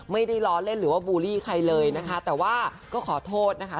ไม่ได้ล้อเล่นหรือว่าบูลลี่ใครเลยนะคะแต่ว่าก็ขอโทษนะคะ